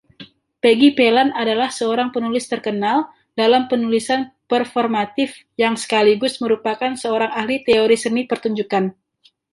Peggy Phelan adalah seorang penulis terkenal dalam penulisan performatif yang sekaligus merupakan seorang ahli teori seni pertunjukan.